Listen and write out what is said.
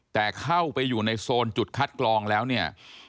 แต่เข้าไปอยู่ในโซนจุดคัดกรองแล้วเนี่ย